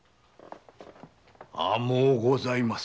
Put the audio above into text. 甘うございます。